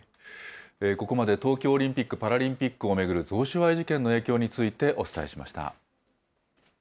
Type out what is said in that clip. ここまで東京オリンピック・パラリンピックを巡る贈収賄事件の影響についてお伝えしました。